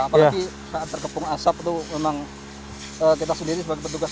apalagi saat terkepung asap itu memang kita sendiri sebagai petugas